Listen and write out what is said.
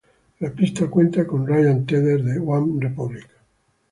La pista cuenta con Ryan Tedder de OneRepublic.